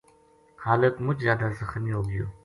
خالق مُچ زیادہ زخمی ہو گیو